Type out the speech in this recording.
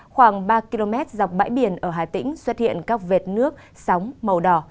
khoảng ba km dọc bãi biển ở hà tĩnh xuất hiện các vệt nước sóng màu đỏ